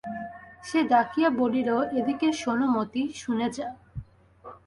সে ডাকিয়া বলিল, এদিকে শোন মতি, শুনে যা।